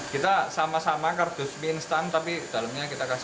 kita sama sama kardus minstang tapi dalamnya kita kasih